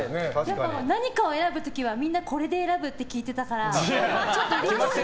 何かを選ぶときは、みんなこれで選ぶって聞いてたから。